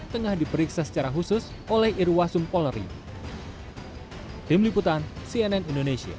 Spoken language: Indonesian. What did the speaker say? tengah diperiksa secara khusus oleh irwasum polri